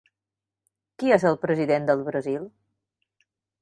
Qui és el president del Brasil?